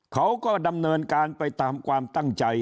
เขาก็ดำเนินการไปตามความตั้งใจ